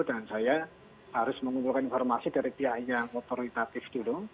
dan saya harus mengumpulkan informasi dari pihak yang otoritatif dulu